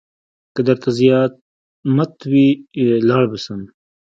که درته زيامت وي لاړ به سم.